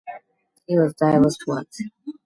He was divorced once.